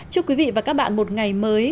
chúc quý vị và các bạn một ngày mới